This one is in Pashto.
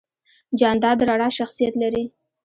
جانداد د رڼا شخصیت لري.